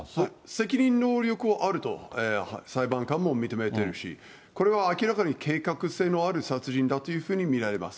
責任能力はあると裁判官も認めているし、これは明らかに計画性のある殺人だというふうに見られます。